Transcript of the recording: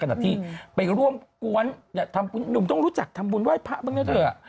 ขนาดที่ไปร่วมกว้นอย่าทำหนุ่มต้องรู้จักทำบุญไหว้พระบังเงี้ยเถอะ